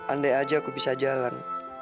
andai aja aku bisa jalan